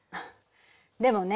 でもね